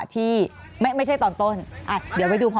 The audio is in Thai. ตายแล้ว